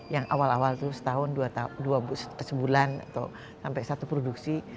yang awal awal itu setahun dua sebulan atau sampai satu produksi